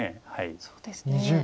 そうですね。